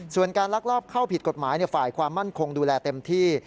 ส่วนการลักลอบเข้าผิดกฎหมายฝ่ายความมั่นคงดูแลเต็มที่